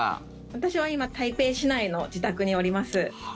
私は今台北市内の自宅におります。